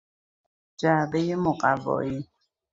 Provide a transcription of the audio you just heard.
جعبهی مقوایی